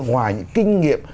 ngoài những kinh nghiệm